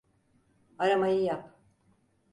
Aramayı yap.